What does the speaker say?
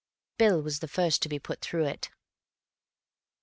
Bill was the first to be put through it.